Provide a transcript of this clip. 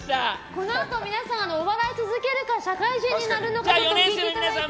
このあと皆さんお笑いを続けるか社会人になるのかを聞いていただいていいですか。